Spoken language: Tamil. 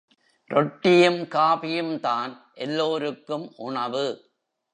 ரொட்டியும், காபியும்தான் எல்லோருக்கும் உணவு.